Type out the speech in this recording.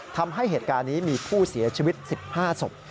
ทำให้เหตุการณ์นี้มีผู้เสียชีวิต๑๕ศพ